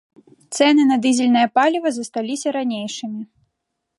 Цэны на дызельнае паліва засталіся ранейшымі.